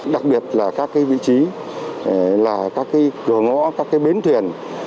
đặc biệt là các vị trí là các cửa ngõ các bến thuyền